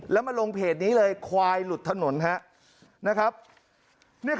แล้วมาลงเพจนี้เลยควายหลุดถนนครับ